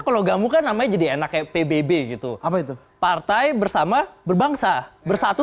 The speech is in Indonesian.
kalau kamu kan namanya jadi enak kayak pbb gitu apa itu partai bersama berbangsa bersatu